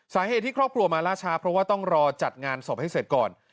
สาเหตุที่ครอบครัวมาล่าช้าเพราะว่าต้องรอจัดงานศพให้เสร็จก่อน